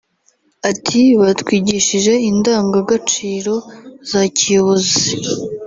Ati “Batwigishije indangagaciro za kiyobozi